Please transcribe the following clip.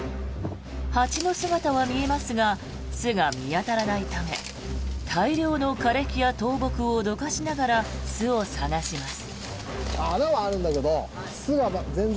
蜂の姿は見えますが巣が見当たらないため大量の枯れ木や倒木をどかしながら巣を探します。